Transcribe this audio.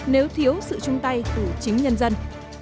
nếu thiếu sự chung tay của chính nhân dân